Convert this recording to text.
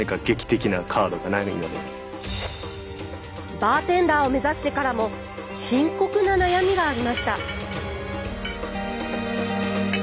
バーテンダーを目指してからも深刻な悩みがありました。